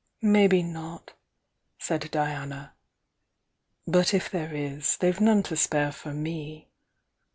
"Maybe not," said Diana. "But if there is, they've none to spare for me.